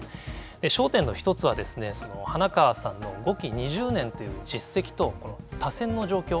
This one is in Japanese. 焦点の一つは、花川さんの５期２０年という実績と、多選の状況。